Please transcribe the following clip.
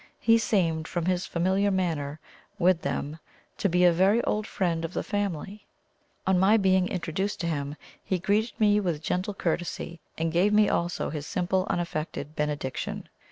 He seemed, from his familiar manner with them, to be a very old friend of the family. On my being introduced to him, he greeted me with gentle courtesy, and gave me also his simple unaffected benediction.